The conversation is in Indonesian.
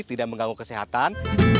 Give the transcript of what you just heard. tidak mengganggu kesehatan